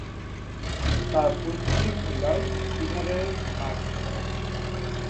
তার পৈতৃক নিবাস বিহারের দারভাঙ্গায়।